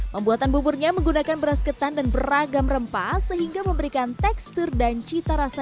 membuatan buburnya menggunakan beras ketan dan beragam rempah sehingga memberikan tekstur dan cita rasa